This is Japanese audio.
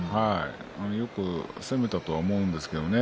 よく攻めたとは思うんですけどね。